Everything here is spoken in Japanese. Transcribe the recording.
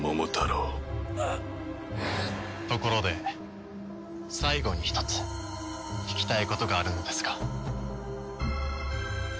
ところで最後に一つ聞きたいことがあるのですが。